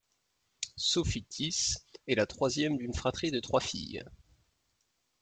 Sophie-Tith est la troisième d'une fratrie de trois filles.